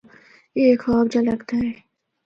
اے ہک خواب جا لگدا اے۔